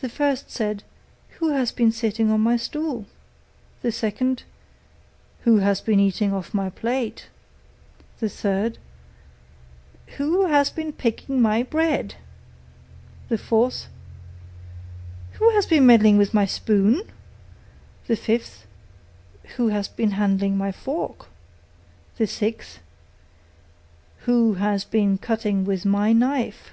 The first said, 'Who has been sitting on my stool?' The second, 'Who has been eating off my plate?' The third, 'Who has been picking my bread?' The fourth, 'Who has been meddling with my spoon?' The fifth, 'Who has been handling my fork?' The sixth, 'Who has been cutting with my knife?